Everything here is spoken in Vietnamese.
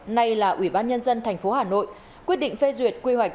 nay là ubnd tp hà nội quyết định phê duyệt quy hoạch